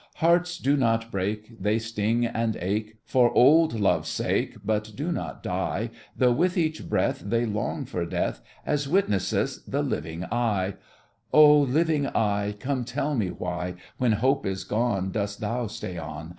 Hearts do not break! They sting and ache For old love's sake, But do not die, Though with each breath They long for death As witnesseth The living I! Oh, living I! Come, tell me why, When hope is gone, Dost thou stay on?